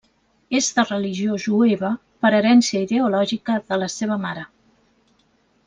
És de religió jueva per herència ideològica de la seva mare.